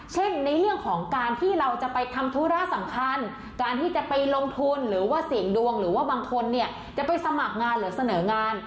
เช่นในเรื่องของการที่เราจะไปทำธุระสำคัญการที่จะไปลงทุนหรือว่าเสี่ยงดวงหรือว่าบางคนเนี่ยจะไปสมัครงานหรือเสนองาน